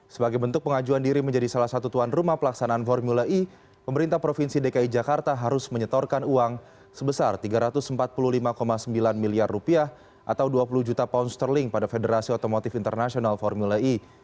sebagai bentuk pengajuan diri menjadi salah satu tuan rumah pelaksanaan formula e pemerintah provinsi dki jakarta harus menyetorkan uang sebesar rp tiga ratus empat puluh lima sembilan miliar rupiah atau dua puluh juta pound sterling pada federasi otomotif internasional formula e